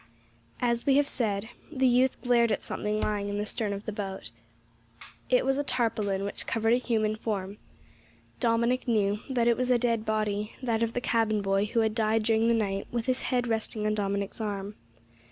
As we have said, the youth glared at something lying in the stern of the boat. It was a tarpaulin, which covered a human form. Dominick knew that it was a dead body that of the cabin boy, who had died during the night with his head resting on Dominick's arm.